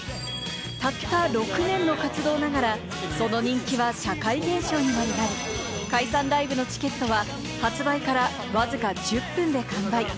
たった６年の活動ながら、その人気は社会現象にまでなり、解散ライブのチケットは発売からわずか１０分で完売。